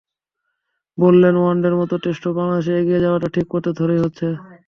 বললেন, ওয়ানডের মতো টেস্টেও বাংলাদেশের এগিয়ে যাওয়াটা ঠিক পথে ধরেই হচ্ছে।